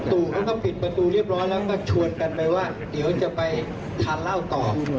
ตู่เขาก็ปิดประตูเรียบร้อยแล้วก็ชวนกันไปว่าเดี๋ยวจะไปทานเหล้าต่อ